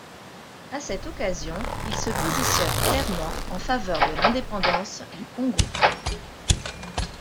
A cette occasion, il se positionne clairement en faveur de l'indépendance du Congo.